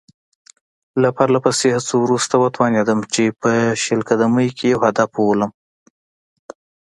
له پرله پسې هڅو وروسته وتوانېدم چې په شل قدمۍ کې یو هدف وولم.